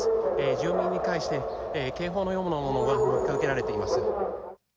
住民に対して、警報のようなものが呼びかけられています。